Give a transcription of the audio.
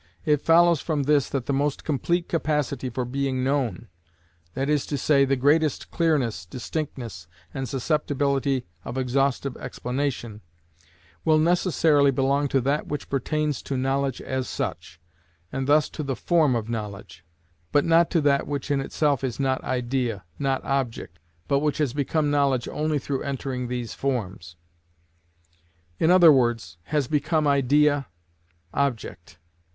It follows from this that the most complete capacity for being known, that is to say, the greatest clearness, distinctness, and susceptibility of exhaustive explanation, will necessarily belong to that which pertains to knowledge as such, and thus to the form of knowledge; but not to that which in itself is not idea, not object, but which has become knowledge only through entering these forms; in other words, has become idea, object.